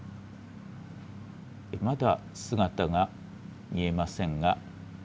まだ、姿が見えませんが。